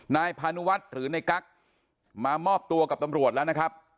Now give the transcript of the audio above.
นายพานุวัฒน์หรือในกั๊กมามอบตัวกับตำรวจแล้วนะครับ